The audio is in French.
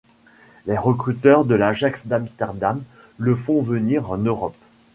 Les recruteurs de l'Ajax d'Amsterdam le font venir en Europe.